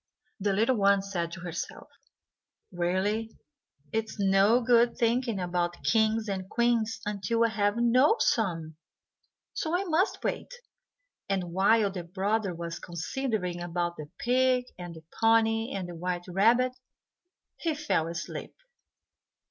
The little one said to herself, "Really, it is no good thinking about kings and queens until I have known some, so I must wait;" and while the brother was considering about the pig, and the pony, and the white rabbit, he fell asleep.